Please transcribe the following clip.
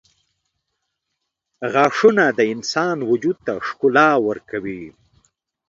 • غاښونه د انسان وجود ته ښکلا ورکوي.